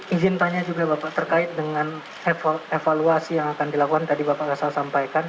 izin tanya juga bapak terkait dengan evaluasi yang akan dilakukan tadi bapak kasal sampaikan